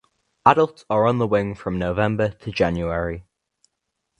Adults are on the wing from November to January.